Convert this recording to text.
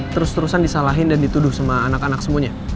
terus terusan disalahin dan dituduh sama anak anak semuanya